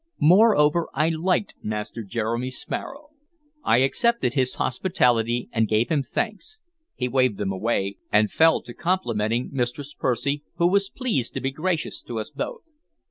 Moreover, I liked Master Jeremy Sparrow. I accepted his hospitality and gave him thanks. He waved them away, and fell to complimenting Mistress Percy, who was pleased to be gracious to us both.